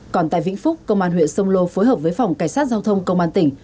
còn tại vĩnh phúc công an huyện sông lô phối hợp với phòng cảnh sát giao thông công an tỉnh